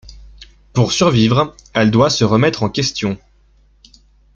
Pour survivre, elle doit se remettre en question.